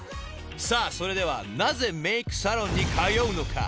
［さあそれではなぜメークサロンに通うのか？］